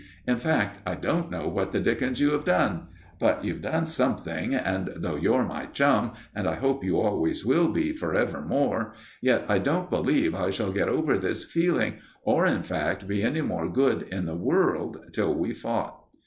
In fact I don't know what the dickens you have done. But you've done something, and though you're my chum and I hope you always will be for evermore, yet I don't believe I shall get over this feeling, or, in fact, be any more good in the world till we've fought."